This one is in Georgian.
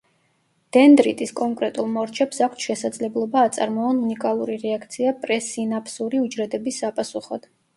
დენდრიტის კონკრეტულ მორჩებს აქვთ შესაძლებლობა აწარმოონ უნიკალური რეაქცია პრესინაფსური უჯრედების საპასუხოდ.